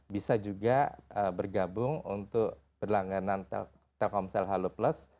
bisa juga bergabung untuk berlangganan telkomsel halo plus